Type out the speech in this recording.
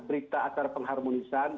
berita atas pengharmonisan